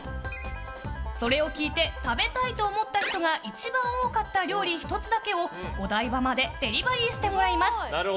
それを聞いて食べたいと思った人が一番多かった料理１つだけをお台場までデリバリーしてもらいます。